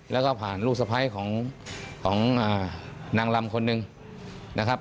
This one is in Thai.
แล้วก็ผ่านลูกสะพ้ายของนางลำคนหนึ่งนะครับ